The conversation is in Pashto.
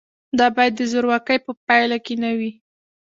دا باید د زورواکۍ په پایله کې نه وي.